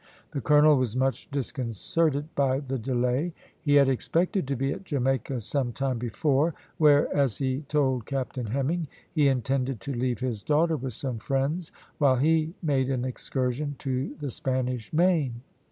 The colonel was much disconcerted by the delay. He had expected to be at Jamaica some time before, where, as he told Captain Hemming, he intended to leave his daughter with some friends while he made an excursion to the Spanish Main.